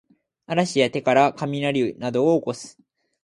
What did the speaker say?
嵐や手からかみなりなどをおこす